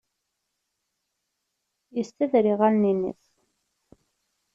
Yessader iɣallen-nnes.